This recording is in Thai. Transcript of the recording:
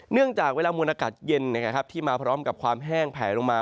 เนื่องจากเวลามวลอากาศเย็นที่มาพร้อมกับความแห้งแผลลงมา